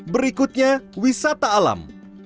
berikutnya wisata alam